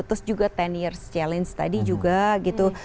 terus juga sepuluh years challenge tadi juga gitu